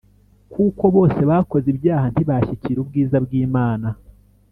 Kuko bose bakoze ibyaha ntibashyikira ubwiza bw’Imana